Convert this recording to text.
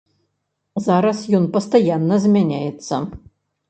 Зараз ён пастаянна змяняецца.